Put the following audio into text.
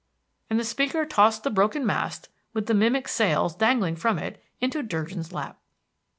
and the speaker tossed the broken mast, with the mimic sails dangling from it, into Durgin's lap.